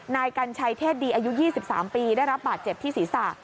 กัญชัยเทศดีอายุ๒๓ปีได้รับบาดเจ็บที่ศีรษะ